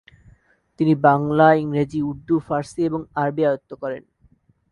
তিনি বাংলা, ইংরেজি, উর্দু, ফার্সি এবং আরবি আয়ত্ত করেন।